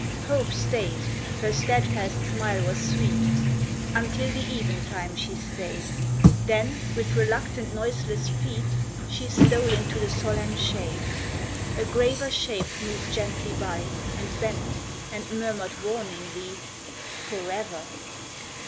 " Hope stayed, her steadfast smile was sweet, Until the even time she stayed ; 28 FOREVER. Then with reluctant, noiseless feet She stole into the solemn shade. A graver shape moved gently by, And bent, and murmured warningly, "Forever